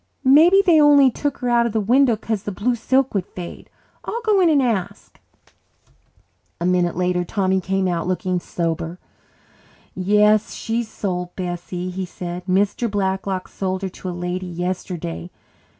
"Maybe they only took her out of the window 'cause the blue silk would fade. I'll go in and ask." A minute later Tommy came out looking sober. "Yes, she's sold, Bessie," he said. "Mr. Blacklock sold her to a lady yesterday.